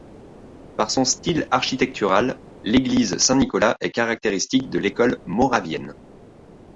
Par son style architectural, l'église Saint-Nicolas est caractéristique de l'école moravienne.